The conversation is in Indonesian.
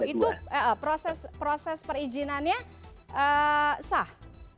itu proses perizinannya sah